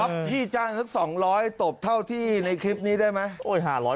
พี่จ้างสัก๒๐๐ตบเท่าที่ในคลิปนี้ได้ไหม